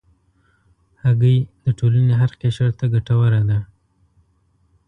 هګۍ د ټولنې هر قشر ته ګټوره ده.